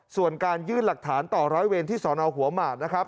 ส่วนการยื่นหลักฐานต่อร้อยเวรที่สอนอหัวหมากนะครับ